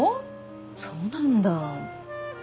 そうなんだ。